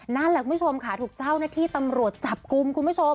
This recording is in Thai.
นั่นแหละคุณผู้ชมค่ะถูกเจ้าหน้าที่ตำรวจจับกลุ่มคุณผู้ชม